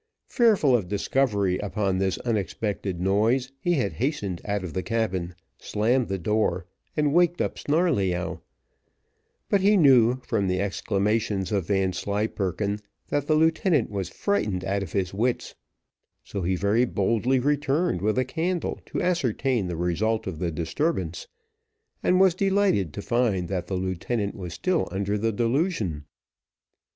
Fearful of discovery upon this unexpected noise, he had hastened out of the cabin, slammed the door, and waked up Snarleyyow; but he knew, from the exclamations of Vanslyperken, that the lieutenant was frightened out of his wits; so he very boldly returned with a candle to ascertain the result of the disturbance, and was delighted to find that the lieutenant was still under the delusion.